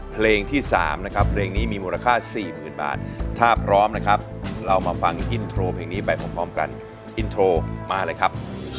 เพลงที่๓นะครับเพลงนี้มีมูลค่า๔๐๐๐บาทถ้าพร้อมนะครับเรามาฟังอินโทรเพลงนี้ไปพร้อมกันอินโทรมาเลยครับ